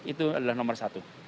itu adalah nomor satu